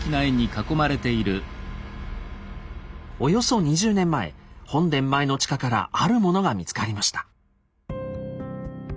およそ２０年前本殿前の地下からあるものが見つかりました。